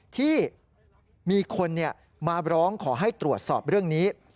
ที่มีคนมาร้องขอให้ตรวจสอบเรื่องนี้